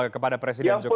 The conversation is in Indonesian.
kepada presiden jokowi